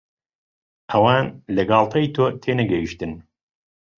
ئەوان لە گاڵتەی تۆ تێنەگەیشتن.